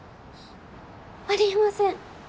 ありえません